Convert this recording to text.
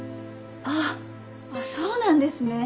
あぁあっそうなんですね。